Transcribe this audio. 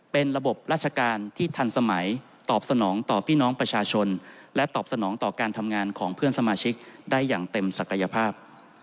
เป็นระบบราชการที่ทันสมัยตอบสนองต่อพี่น้องประชาชนและตอบสนองต่อการทำงานของเพื่อนสมาชิกได้อย่างเต็มศักยภาพ